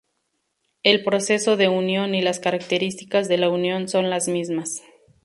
El proceso de unión y las características de la unión son las mismas.